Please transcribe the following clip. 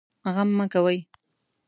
غم مه کوئ